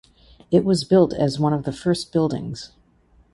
It was built as one of the first buildings.